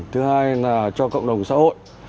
thứ hai là cho cộng đồng xã hội